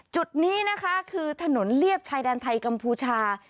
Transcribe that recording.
จุดนี้นะคะคือถนนเลียบชายแดนไทยกัมพูชา